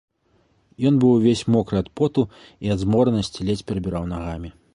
Ён быў увесь мокры ад поту і ад зморанасці ледзь перабіраў нагамі.